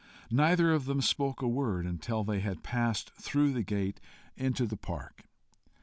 Neither of them spoke a word until they had passed through the gate into the park.